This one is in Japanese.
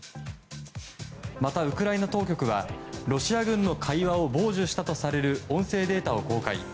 また、ウクライナ当局はロシア軍の会話を傍受したとされる音声データを公開。